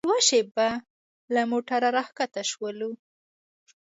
یوه شېبه له موټره راښکته شولو.